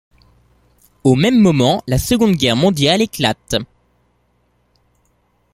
Au même moment, la Seconde Guerre mondiale éclate.